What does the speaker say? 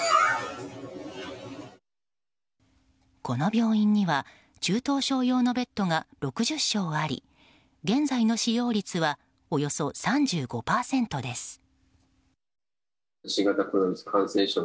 この病院には中等症用のベッドが６０床あり現在の使用率はおよそ３５％です。